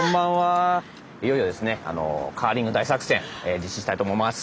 いよいよですねカーリング大作戦実施したいと思います。